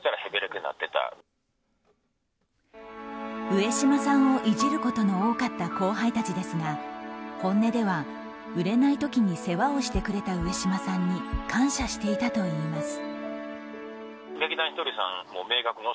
上島さんをイジることの多かった後輩たちですが本音では、売れない時に世話をしてくれた上島さんに感謝していたといいます。